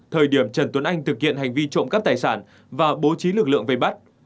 thời điểm trần tuấn anh thực hiện hành vi trộm cắp tài sản và bố trí lực lượng vây bắt